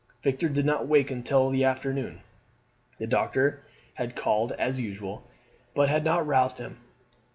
Victor did not wake until the afternoon. The doctor had called as usual, but had not roused him.